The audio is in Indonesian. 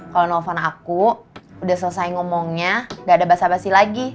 kalau nelfon aku udah selesai ngomongnya gak ada basa basi lagi